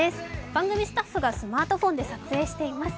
番組スタッフがスマートフォンで撮影しています。